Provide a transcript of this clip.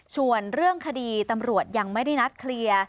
ส่วนเรื่องคดีตำรวจยังไม่ได้นัดเคลียร์